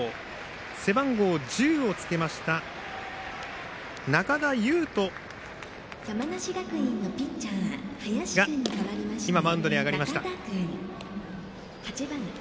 背番号１０をつけました中田有飛がマウンドに上がりました。